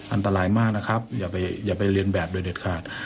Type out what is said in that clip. อันตรายมากนะครับอย่าไปเรียนแบบโดยเด็ดขาด